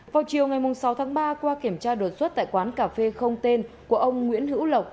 vào chiều ngày sáu tháng ba qua kiểm tra đột xuất tại quán cà phê không tên của ông nguyễn hữu lộc